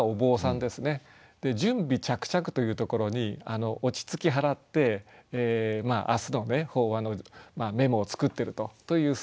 で「準備着々」というところに落ち着き払って明日の法話のメモを作ってるとという姿が浮かびますね。